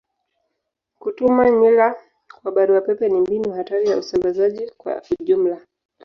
Kutuma nywila kwa barua pepe ni mbinu hatari ya usambazaji kwa ujumla.